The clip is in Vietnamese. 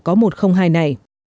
có một trăm linh hai này